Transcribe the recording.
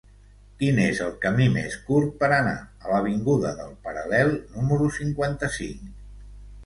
Quin és el camí més curt per anar a l'avinguda del Paral·lel número cinquanta-cinc?